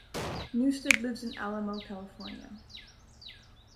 Newsted lives in Alamo, California.